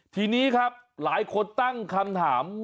ทีนี้ครับหลายคนตั้งคำถาม